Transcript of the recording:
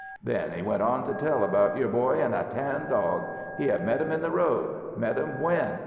Then he went on to tell about your boy an' a tan dog. He had met 'em in the road. Met 'em when?